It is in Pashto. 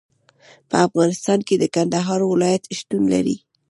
په افغانستان کې د کندهار ولایت شتون لري.